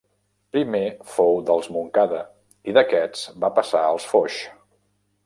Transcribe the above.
Primer fou dels Montcada i d'aquests va passar als Foix.